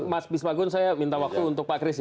mas bisma gun saya minta waktu untuk pak kris ya